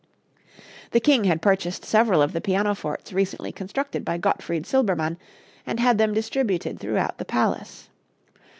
The king had purchased several of the pianofortes recently constructed by Gottfried Silbermann and had them distributed throughout the palace.